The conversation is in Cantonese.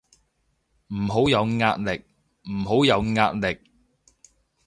唔好有壓力，唔好有壓力